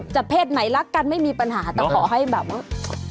เพศไหนรักกันไม่มีปัญหาแต่ขอให้แบบว่า